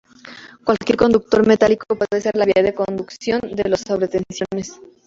Cualquier conductor metálico puede ser la vía de conducción de las sobretensiones.